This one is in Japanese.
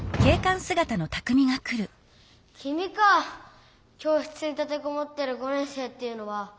きみか教室に立てこもってる５年生っていうのは。